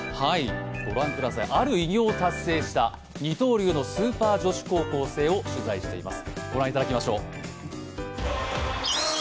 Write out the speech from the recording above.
ある偉業を達成した二刀流のスーパー女子高校生を取材しています。